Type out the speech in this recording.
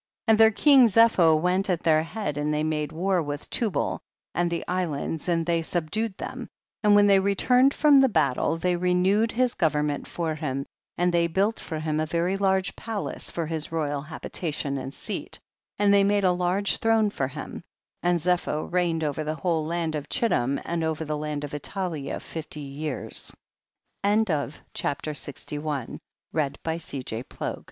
25. And their king Zepho went at their head and they made war with Tubal and the islands, and they sub dued them, and when they returned from the battle they renewed his go vernment for him, and they built for him a very large palace for his royal habitation and seat, and they made a large throne for him, and Zepho reigned over the whole land of Chit tim and over the land of Italia fift